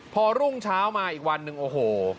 พอรุ่งเช้ามาอีกวันหนึ่งโอ้โห